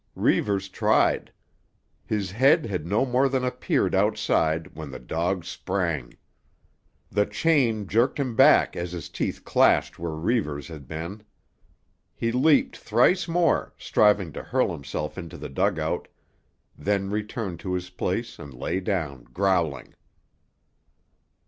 Reivers tried. His head had no more than appeared outside when the dog sprang. The chain jerked him back as his teeth clashed where Reivers' head had been. He leaped thrice more, striving to hurl himself into the dugout, then returned to his place and lay down, growling.